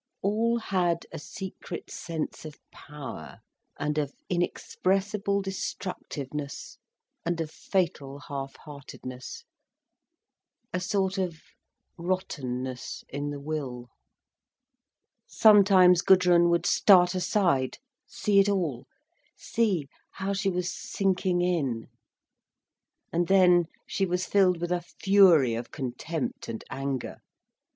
All had a secret sense of power, and of inexpressible destructiveness, and of fatal half heartedness, a sort of rottenness in the will. Sometimes Gudrun would start aside, see it all, see how she was sinking in. And then she was filled with a fury of contempt and anger.